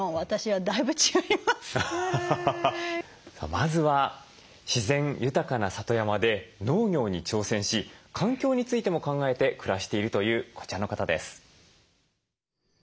まずは自然豊かな里山で農業に挑戦し環境についても考えて暮らしているというこちらの方です。